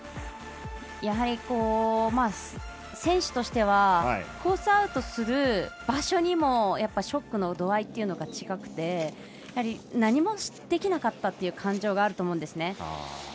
やはり、選手としてはコースアウトする場所にもショックの度合いっていうのが違くて何もできなかったという感情があると思うんですね。